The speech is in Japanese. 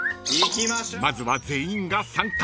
［まずは全員が参加］